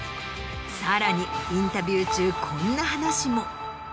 さらにインタビュー中こんな話も。